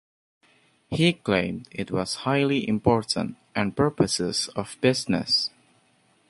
He claimed it was "highly important" and purposes of "business".